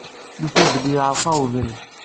Nufa belli iɛreq-aɣ ubrid.